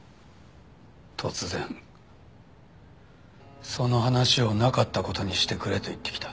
突然その話をなかった事にしてくれと言ってきた。